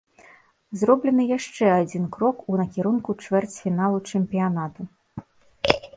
Зроблены яшчэ адзін крок у накірунку чвэрцьфіналу чэмпіянату.